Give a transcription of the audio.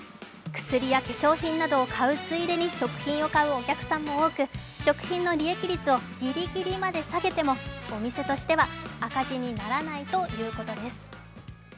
薬や化粧品などを買うついでに食品を買うお客さんも多く食品の利益率をギリギリまで下げてもお店としては赤字にならないということです。